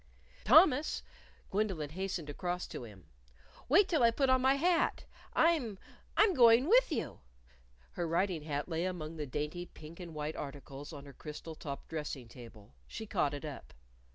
"Thomas!" Gwendolyn hastened across to him. "Wait till I put on my hat. I'm I'm going with you." Her riding hat lay among the dainty pink and white articles on her crystal topped dressing table. She caught it up.